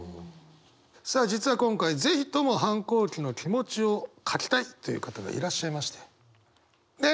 さあ実は今回是非とも反抗期の気持ちを書きたいという方がいらっしゃいまして。